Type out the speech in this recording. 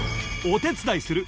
［お手伝いする］